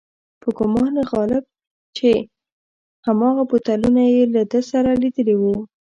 په ګومان غالب چې هماغه بوتلونه یې له ده سره لیدلي و.